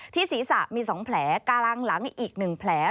ศีรษะมี๒แผลกลางหลังอีก๑แผล